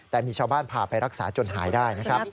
แต่มีชาวบ้านพาไปรักษาจนหายได้นะครับ